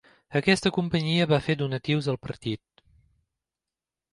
Aquesta companyia va fer donatius al partit.